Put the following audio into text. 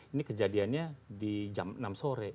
ini kejadiannya di jam enam sore